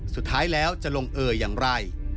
สุดท้ายแล้วจะลงเอยอย่างไร